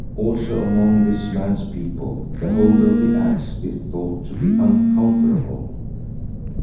Also among this man's people, the holder of the Axe is thought to be unconquerable."